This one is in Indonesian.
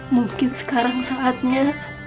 mungkin sekarang saatnya